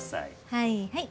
はいはい。